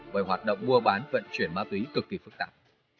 với hoạt động mua bán vận chuyển ma túy cực kỳ phức tạp